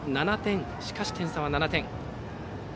しかし点差は７点。